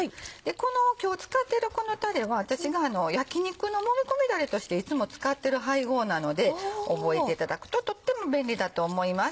今日使ってるこのたれは私が焼き肉のもみ込みだれとしていつも使ってる配合なので覚えていただくととっても便利だと思います。